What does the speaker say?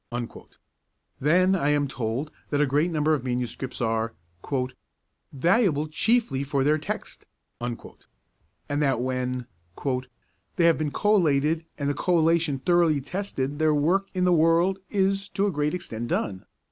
Then I am told that a great number of manuscripts are 'valuable chiefly for their text,' and that when 'they have been collated and the collation thoroughly tested their work in the world is to a great extent done.